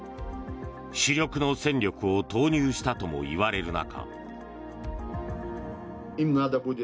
主力の戦力を投入したともいわれる中。